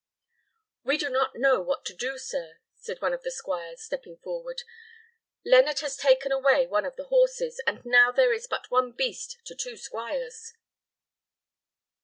"We do not know what to do, sir," said one of the squires, stepping forward. "Leonard has taken away one of the horses, and now there is but one beast to two squires."